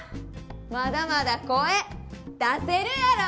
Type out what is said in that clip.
まだまだ声出せるやろ？